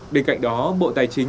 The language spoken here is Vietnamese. bên cạnh đó bộ tài chính